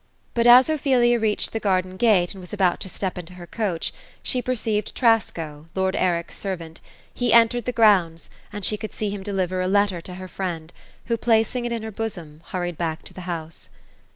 But as Ophelia reached the garden gate, and was about to step into her coach, she per oieved Trasoo, lord Eric's servant He entered the grounds, and she eould see him deliver a letter to her friend ; who placing it in her bo som, hurried back to the house.